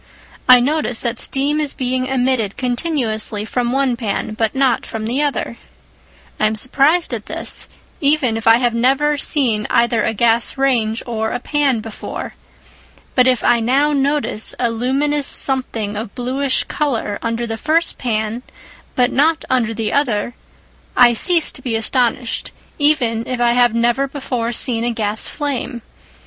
I notice that steam is being emitted continuously from the one pan, but not from the other. I am surprised at this, even if I have never seen either a gas range or a pan before. But if I now notice a luminous something of bluish colour under the first pan but not under the other, I cease to be astonished, even if I have never before seen a gas flame.